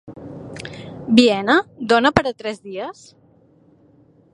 Viena dona per a tres dies?